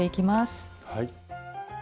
はい。